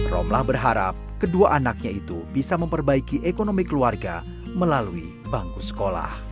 romlah berharap kedua anaknya itu bisa memperbaiki ekonomi keluarga melalui bangku sekolah